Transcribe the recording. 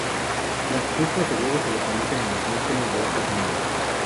Las puestas de huevos se localizan en los márgenes de hojas nuevas.